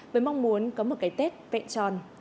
với mong muốn có một cái tết vẹn tròn